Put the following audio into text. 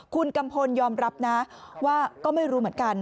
คุณกัมพลยอมรับนะว่าก็ไม่รู้เหมือนกัน